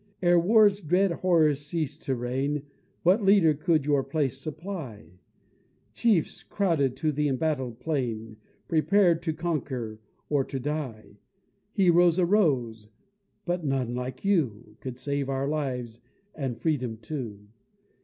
Ere war's dread horrors ceas'd to reign, What leader could your place supply? Chiefs crowded to the embattled plain, Prepar'd to conquer or to die Heroes arose but none, like you, Could save our lives and freedom too.